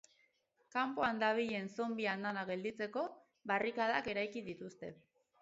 Kanpoan dabilen zonbi andana gelditzeko, barrikadak eraiki dituzte.